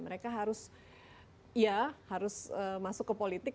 mereka harus ya harus masuk ke politik